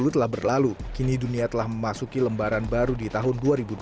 dua ribu dua puluh telah berlalu kini dunia telah memasuki lembaran baru di tahun dua ribu dua puluh satu